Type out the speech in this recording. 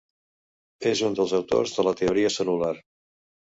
És un dels autors de la teoria cel·lular.